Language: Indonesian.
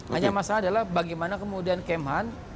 hanya masalah adalah bagaimana kemudian kemhan